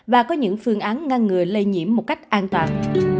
và có những phương án ngăn ngừa lây nhiễm một cách an toàn